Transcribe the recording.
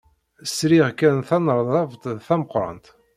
Sriɣ kan tanerdabt d tameqrant.